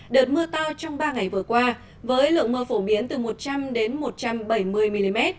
đợt mưa to trong ba ngày vừa qua với lượng mưa phổ biến từ một trăm linh đến một trăm bảy mươi mm